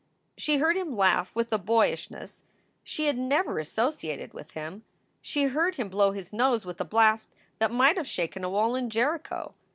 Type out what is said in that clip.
She heard him laugh with a boyishness she had never associated with him. She heard him blow his nose with a blast that might have shaken a wall in Jericho.